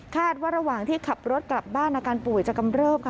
ว่าระหว่างที่ขับรถกลับบ้านอาการป่วยจะกำเริบค่ะ